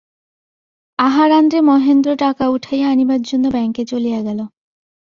আহারান্তে মহেন্দ্র টাকা উঠাইয়া আনিবার জন্য ব্যাঙ্কে চলিয়া গেল।